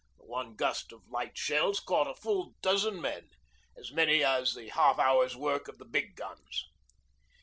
The one gust of light shells caught a full dozen men as many as the half hour's work of the big guns.